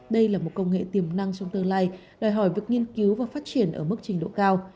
đây là một công nghệ tiềm năng trong tương lai đòi hỏi việc nghiên cứu và phát triển ở mức trình độ cao